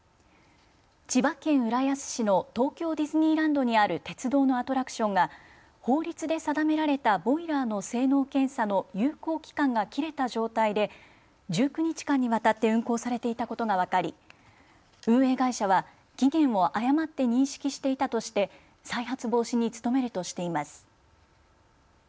千葉県浦安市の東京ディズニーランドにある鉄道のアトラクションが法律で定められたボイラーの性能検査の有効期間が切れた状態で１９日間にわたって運行されていたことが分かり運営会社は期限を誤って認識していたとして再発防止に努めるとしています。